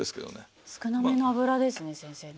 少なめの油ですね先生ね。